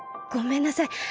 ごめんなさい。